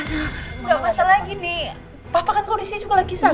enggak masalah lagi nih papa kan kalau di sini juga lagi sakit